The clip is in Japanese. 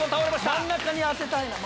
真ん中に当てたい。